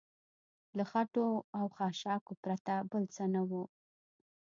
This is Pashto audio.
له خټو او خاشاکو پرته بل څه نه و.